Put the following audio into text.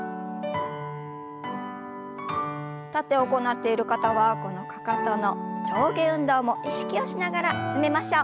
立って行っている方はこのかかとの上下運動も意識をしながら進めましょう。